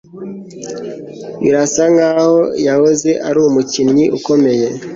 Birasa nkaho yahoze ari umukinnyi ukomeye